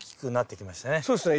そうですね。